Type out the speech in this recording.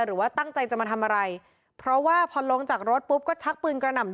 หรือว่าตั้งใจจะมาทำอะไรเพราะว่าพอลงจากรถปุ๊บก็ชักปืนกระหน่ำ